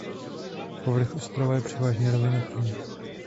Povrch ostrova je převážně rovinatý.